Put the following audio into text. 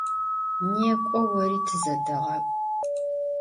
Nêk'o vori, tızedeğak'u!